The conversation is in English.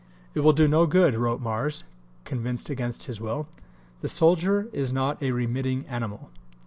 "It will do no good," wrote "Mars," convinced against his will; "the soldier is not a remitting animal."